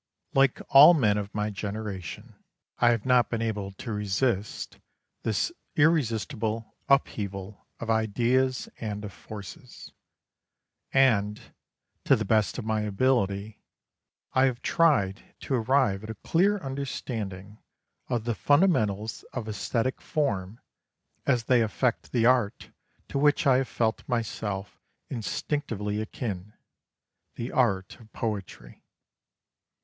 Like all men of my generation, I have not been able to resist this irresistible upheaval of ideas and of forces: and, to the best of my ability, I have tried to arrive at a clear understanding of the fundamentals of æsthetic form as they affect the art to which I have felt myself instinctively akin, the art of poetry.